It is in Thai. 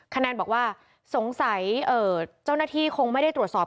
คะแนนบอกว่าสงสัยเจ้าหน้าที่คงไม่ได้ตรวจสอบ